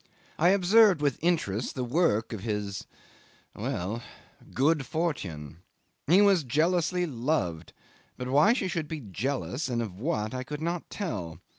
I observed with interest the work of his well good fortune. He was jealously loved, but why she should be jealous, and of what, I could not tell.